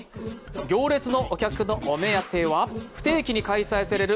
行列のお客のお目当ては不定期に開催される